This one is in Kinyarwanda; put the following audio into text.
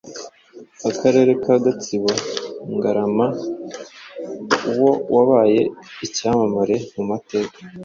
akarere ka Gatsibo. Ngarama uwo wabaye icyamamare mu mateka,